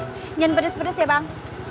ingin pedes pedes ya bang